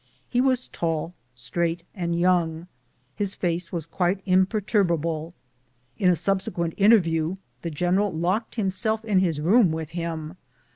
He was tall, straight, and young. His face was quite imperturbable. In a subsequent interview the general locked himself in his room with him.